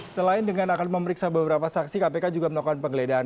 selain dengan akan memeriksa beberapa saksi kpk juga melakukan penggeledahan